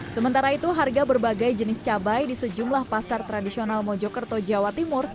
sementara itu harga berbagai jenis cabai di sejumlah pasar tradisional mojokerto jawa timur